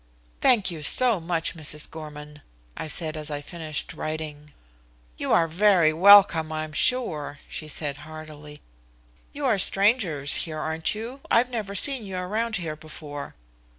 "Thank you so much, Mrs. Gorman," I said as I finished writing. "You are very welcome, I am sure," she said heartily. "You are strangers here, aren't you? I've never seen you around here before."